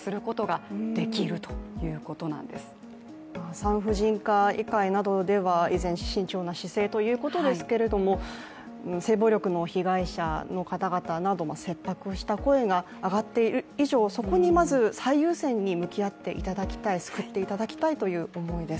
産婦人科医会などでは、依然、慎重な姿勢ということですけれども性暴力の被害者の方々なども切迫した声が上がっている以上、そこにまず最優先に向き合っていただきたい救っていただきたいという思いです。